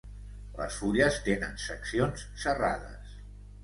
Les fulles tenen seccions serrades.